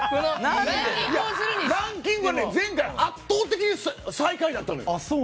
ランキングは、前回圧倒的に最下位だったのよ。